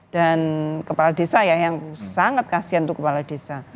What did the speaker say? dan kepala desa ya yang sangat kasihan tuh kepala desa